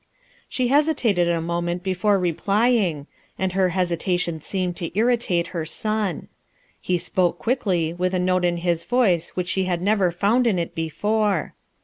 She hesitated a moment before replying, and hesitation seemed to irritate her son. He ke quickly, with a note in his voice which qhe had never found in it before.